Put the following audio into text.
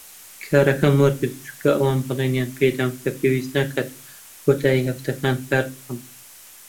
کارەکەم وەرگرت چونکە ئەوان بەڵێنیان پێ دام کە پێویست ناکات کۆتایی هەفتەکان کار بکەم.